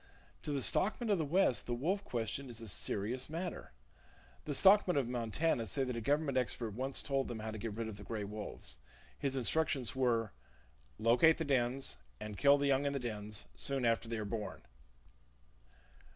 To the stockmen of the west the wolf question is a serious matter. The stockmen of Montana say that a government expert once told them how to get rid of the gray wolves. His instructions were: "Locate the dens, and kill the young in the dens, soon after they are born!"